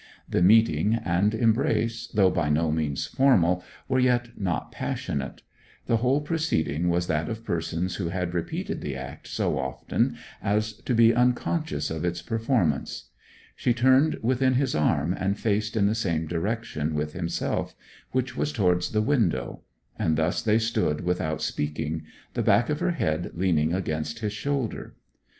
The meeting and embrace, though by no means formal, were yet not passionate; the whole proceeding was that of persons who had repeated the act so often as to be unconscious of its performance. She turned within his arm, and faced in the same direction with himself, which was towards the window; and thus they stood without speaking, the back of her head leaning against his shoulder.